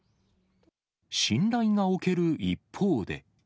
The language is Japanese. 信頼がおける一方で。